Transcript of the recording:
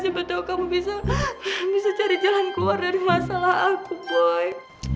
siapa tau kamu bisa bisa cari jalan keluar dari masalah aku boy